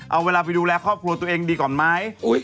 เอาเวลาไปดูแลครอบครัวตัวเองดีก่อนไหม